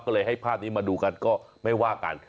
ก็เลยให้ภาพนี้มาดูกันก็ไม่ว่ากัน